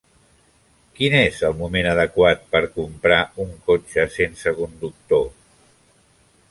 Quin és el moment adequat per comprar un cotxe sense conductor?